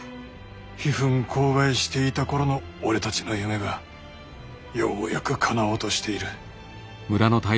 悲憤慷慨していた頃の俺たちの夢がようやくかなおうとしている。